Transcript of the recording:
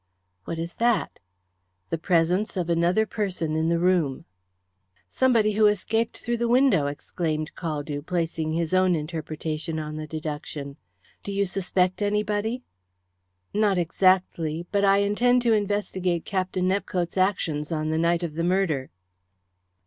"What is that?" "The presence of another person in the room." "Somebody who escaped through the window!" exclaimed Caldew, placing his own interpretation on the deduction. "Do you suspect anybody?" "Not exactly. But I intend to investigate Captain Nepcote's actions on the night of the murder."